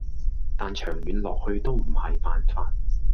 但長遠落去都唔係辦法